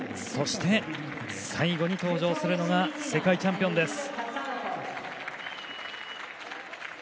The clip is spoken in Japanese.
そして、最後に登場するのが世界チャンピオンです。